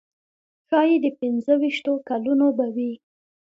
ښایي د پنځه ویشتو کلونو به وي.